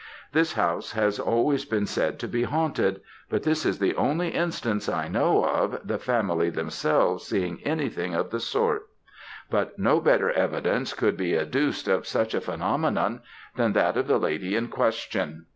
This house has always been said to be haunted, but this is the only instance I know of the family themselves seeing anything of the sort; but no better evidence could be adduced of such a phenomenon than that of the lady in question.